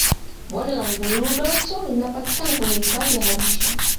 bonde la ngurdoto linapatikana kwenye hifadhi ya arusha